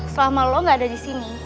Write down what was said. selama lo gak ada di sini